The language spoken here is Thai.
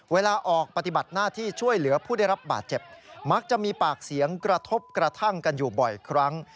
เวลาออกปฏิบัติหน้าที่ช่วยเหลือผู้ได้รับบาดเจ็บมักจะมีปากเสียงกระทบกระทั่งกันอยู่บ่อยครั้ง